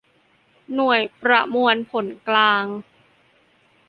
หน่วยประมวลผลกลาง